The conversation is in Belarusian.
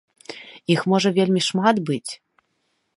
Іх можа вельмі шмат быць!